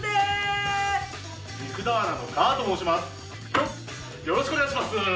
よっよろしくお願いします